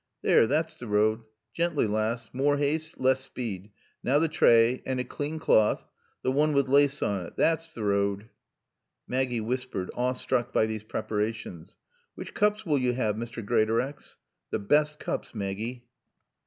"Theer that's t' road. Gently, laass moor' 'aaste, less spead. Now t' tray an' a clane cloth t' woon wi' laace on 't. Thot's t' road." Maggie whispered, awestruck by these preparations: "Which coops will yo' 'ave, Mr. Greatorex?" "T' best coops, Maaggie."